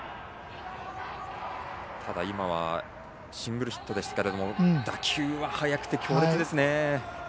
ただ、今はシングルヒットですが打球は速くて強烈ですね。